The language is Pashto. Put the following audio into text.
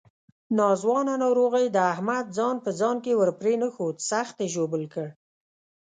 ناځوانه ناروغۍ د احمد ځان په ځان کې ورپرېنښود، سخت یې ژوبل کړ.